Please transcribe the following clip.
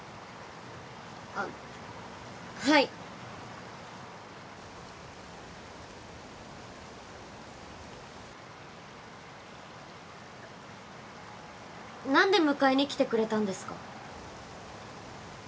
あっはい何で迎えに来てくれたんですか？